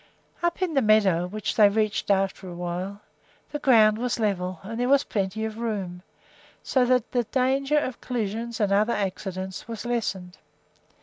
Up in the meadow, which they reached after a while, the ground was level and there was plenty of room, so that the danger of collisions and other accidents was lessened.